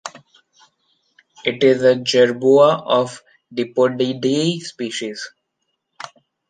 It is a jerboa of the Dipodidae species.